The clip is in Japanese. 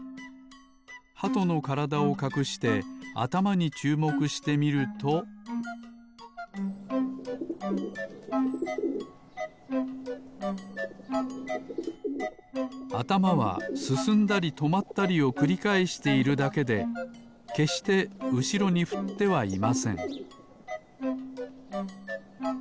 ハトのからだをかくしてあたまにちゅうもくしてみるとあたまはすすんだりとまったりをくりかえしているだけでけっしてうしろにふってはいません